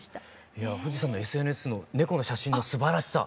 いやあ藤さんのＳＮＳの猫の写真のすばらしさ。